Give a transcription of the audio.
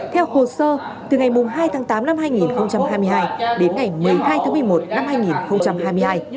theo hồ sơ từ ngày hai tháng tám năm hai nghìn hai mươi hai đến ngày một mươi hai tháng một mươi một năm hai nghìn hai mươi hai